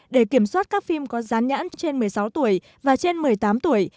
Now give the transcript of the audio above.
để kiểm soát các phim có rán nhãn trên một mươi sáu tuổi và trên một mươi tám tuổi